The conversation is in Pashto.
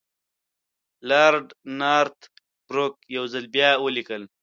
لارډ نارت بروک یو ځل بیا ولیکل.